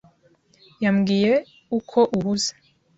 yambwiye uko uhuze.